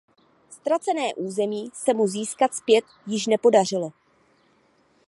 Ztracené území se mu získat zpět již nepodařilo.